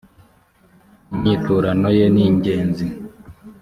inyiturano ye ningenzi.